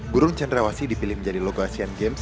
burung cendrawasi dipilih menjadi logo asian games